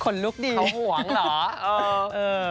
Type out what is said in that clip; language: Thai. ขนลุกดีเขาห่วงเหรอเออ